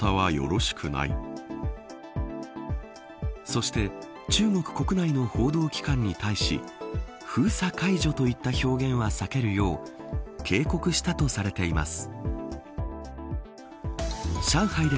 そして中国国内の報道機関に対し封鎖解除といった表現は避けるよう警告したとされています。